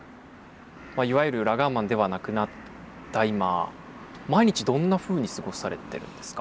いわゆるラガーマンではなくなった今毎日どんなふうに過ごされてるんですか？